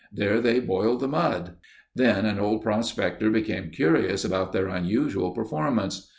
There they boiled the mud. Then an old prospector became curious about their unusual performance.